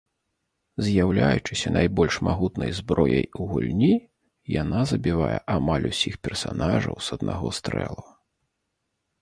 З'яўляючыся найбольш магутнай зброяй у гульні, яна забівае амаль усіх персанажаў з аднаго стрэлу.